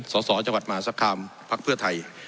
สสจมหาศักรรมภเพื่อไทย